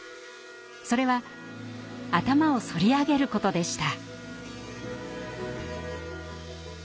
それは頭をそり上げることでした。